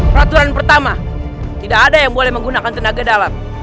peraturan pertama tidak ada yang boleh menggunakan tenaga dalam